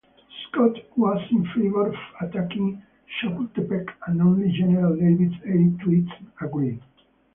Scott was in favor of attacking Chapultepec and only General David E. Twiggs agreed.